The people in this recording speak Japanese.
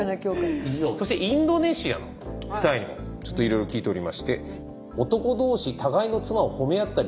そしてインドネシアの夫妻にもちょっといろいろ聞いておりまして。